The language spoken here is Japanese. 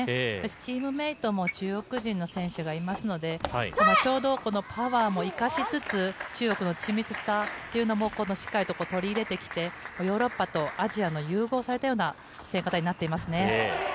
チームメートも中国人の選手がいますのでちょうどパワーも生かしつつ中国の緻密さというのもしっかりと取り入れてきてヨーロッパとアジアの融合されたような選手になっていますね。